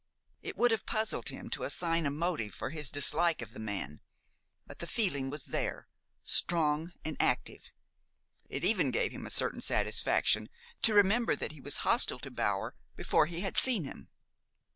It would have puzzled him to assign a motive for his dislike of the man. But the feeling was there, strong and active. It even gave him a certain satisfaction to remember that he was hostile to Bower before he had seen him.